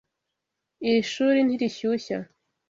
Iri shuri ntirishyushya.